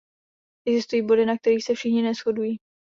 Existují body, na kterých se všichni neshodují.